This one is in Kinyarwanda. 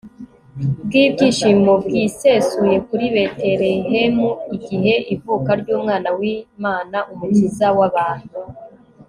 bw'ibyishimo bwisesuye kuri betelehemu, igihe ivuka ry'umwana w'imana umukiza w'abantu